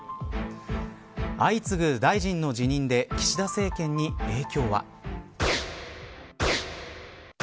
相次ぐ大臣の辞任で岸田政権に影響は。